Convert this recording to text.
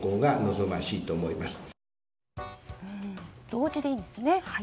同時でいいんですね。